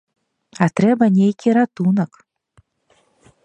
А трэба нейкі ратунак!